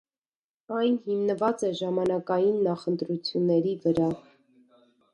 Այն հիմնված է ժամանակային նախընտրությունների վրա։